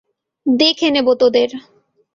দেখে নেবো তোদের।